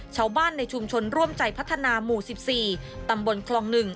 ชาวบ้านในชุมชนร่วมใจพัฒนาหมู่๑๔ตำบลคลอง๑